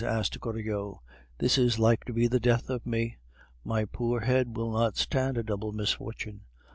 asked Goriot. "This is like to be the death of me. My poor head will not stand a double misfortune."